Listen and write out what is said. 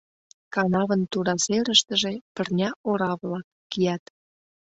Канавын тура серыштыже пырня ора-влак кият.